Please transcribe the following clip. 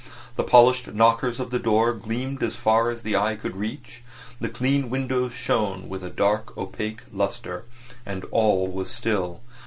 The polished knockers of the doors gleamed as far as the eye could reach, the clean windows shone with a dark opaque lustre. And all was still.